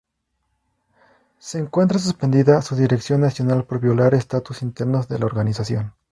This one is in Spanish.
Se encuentra suspendida su Dirección Nacional, por violar Estatutos Internos de la Organización.